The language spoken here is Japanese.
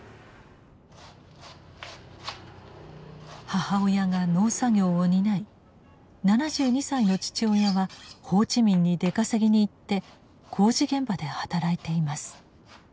母親が農作業を担い７２歳の父親はホーチミンに出稼ぎに行って工事現場で働いています。